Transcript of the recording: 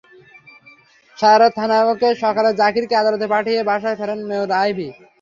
সারা রাত থানায় থেকে সকালে জাকিরকে আদালতে পাঠিয়ে বাসায় ফেরেন মেয়র আইভি।